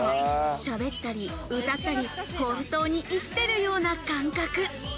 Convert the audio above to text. しゃべったり歌ったり、本当に生きてるような感覚。